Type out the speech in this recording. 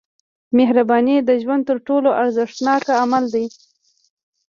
• مهرباني د ژوند تر ټولو ارزښتناک عمل دی.